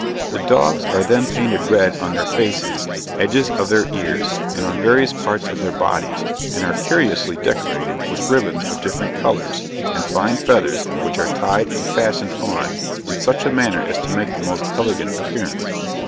The dogs are then painted red on their faces, edges of their ears, and on various parts of their bodies, and are curiously decorated with ribbons of different colors, and fine feathers, which are tied and fastened on in such a manner as to make the most elegant appearance.